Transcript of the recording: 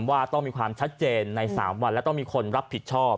ว่าต้องมีความชัดเจนใน๓วันและต้องมีคนรับผิดชอบ